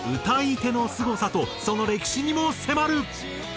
歌い手のすごさとその歴史にも迫る。